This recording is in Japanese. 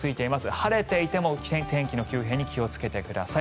晴れていても天気の急変に気をつけてください。